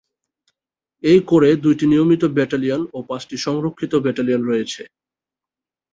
এই কোরে দুইটি নিয়মিত ব্যাটেলিয়ন ও পাঁচটি সংরক্ষিত ব্যাটেলিয়ন রয়েছে।